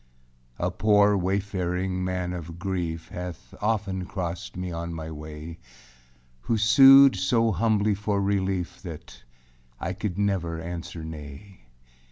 A poor wayfaring Man of grief Hath often crossed me on my way, Who sued so humbly for relief That I could never answer nay.